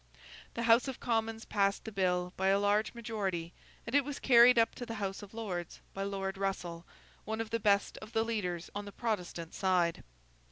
The House of Commons passed the bill by a large majority, and it was carried up to the House of Lords by Lord Russell, one of the best of the leaders on the Protestant side.